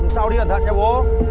sao đi là thật nha bố